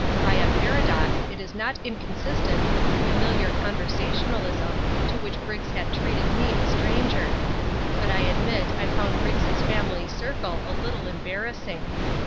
By a paradox it is not inconsistent with the familiar conversationalism to which Briggs had treated me, a stranger. But I admit I found Briggs's family circle a little embarrassing.